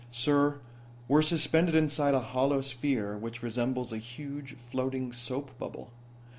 "Sir, we're suspended inside a hollow sphere which resembles a huge, floating soap bubble.